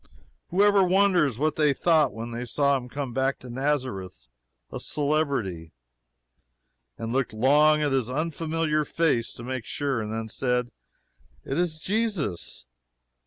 Who ever wonders what they thought when they saw him come back to Nazareth a celebrity, and looked long at his unfamiliar face to make sure, and then said, "It is Jesus?"